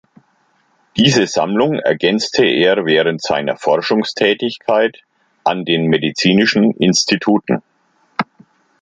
Diese Sammlung ergänzte er während seiner Forschungstätigkeit an den medizinischen Instituten.